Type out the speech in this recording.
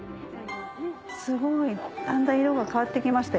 すごいだんだん色が変わって来ましたよ。